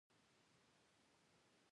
ازادي راډیو د بانکي نظام وضعیت انځور کړی.